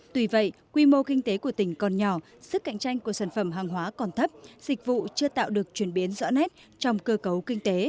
tuy vậy quy mô kinh tế của tỉnh còn nhỏ sức cạnh tranh của sản phẩm hàng hóa còn thấp dịch vụ chưa tạo được chuyển biến rõ nét trong cơ cấu kinh tế